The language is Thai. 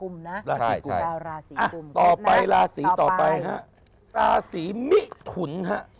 มิถุน